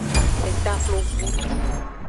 Eta xlogbu.